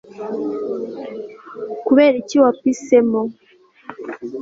kubera iki wapisemo